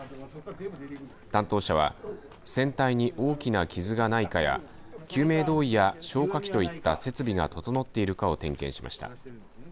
担当者は船体に大きな傷がないかや救命胴衣や消火器といった設備が整っているかを点検しました。